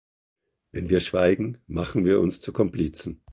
Wenn wir schweigen, machen wir uns zu Komplizen.